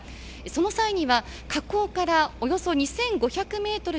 その際には、火口からおよそ２５００メートル